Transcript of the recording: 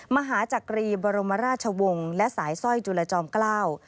มหาจักรีบรมราชวงศ์และสายสร้อยจุลจอมเกล้า